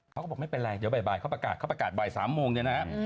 เขาก็บอกไม่เป็นไรเดี๋ยวบ่ายเขาประกาศเขาประกาศบ่าย๓โมงเนี่ยนะฮะ